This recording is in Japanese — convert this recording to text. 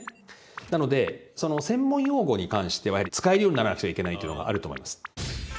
なのでその専門用語に関しては使えるようにならなくちゃいけないというのがあると思います。